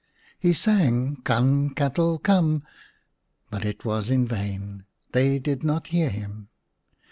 He sang " Come, cattle, come," but it was in vain ; they did not hear him.